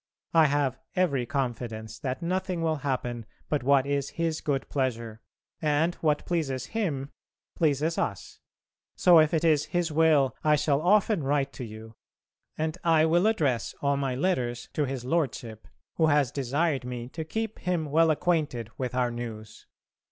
I have every confidence that nothing will happen but what is His good pleasure, and what pleases Him pleases us. So if it is His will I shall often write to you, and I will address all my letters to his Lordship, who has desired me to keep him well acquainted with our news.